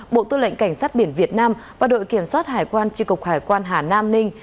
bộ tư lệnh cảnh sát biển việt nam và đội kiểm soát hải quan tri cục hải quan hà nam ninh